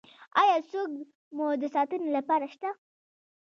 ایا څوک مو د ساتنې لپاره شته؟